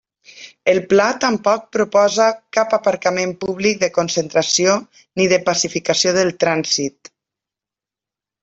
El Pla tampoc proposa cap aparcament públic de concentració ni de pacificació del trànsit.